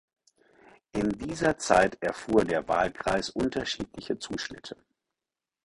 In dieser Zeit erfuhr der Wahlkreis unterschiedliche Zuschnitte.